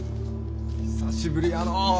久しぶりやのう。